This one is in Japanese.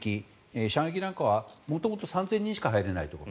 射撃なんかは元々３０００人しか入れないところ。